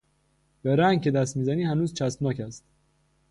به رنگ که دست میزنی هنوز چسبناک است.